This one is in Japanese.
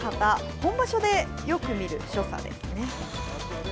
本場所でよく見る所作ですね。